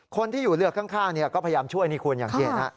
คนที่อยู่เรือข้างก็พยายามช่วยนี่คุณอย่างที่เห็น